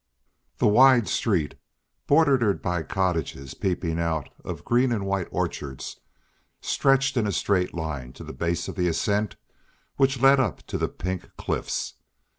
The wide street, bordered by cottages peeping out of green and white orchards, stretched in a straight line to the base of the ascent which led up to the Pink Cliffs.